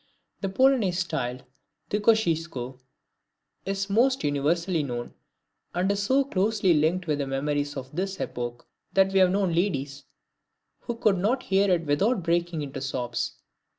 The Polonaise styled "de Kosciuszko," is the most universally known, and is so closely linked with the memories of his epoch, that we have known ladies who could not hear it without breaking into sobs.